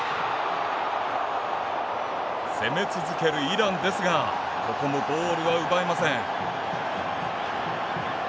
攻め続けるイランですがここもゴールは奪えません。